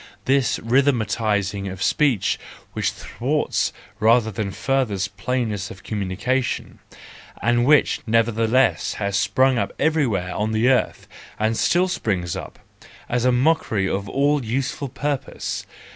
—this rhythmising of speech which thwarts rather than furthers plainness of communication, and which, nevertheless, has sprung up everywhere on the earth, and still springs up, as a mockery of all useful purpose!